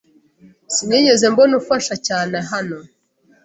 Sinigeze mbona ufasha cyane hano.